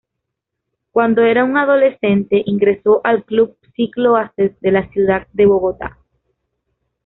Cuándo era un adolescente, ingresó al club Ciclo Ases de la ciudad de Bogotá.